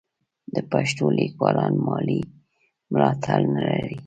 د پښتو لیکوالان مالي ملاتړ نه لري.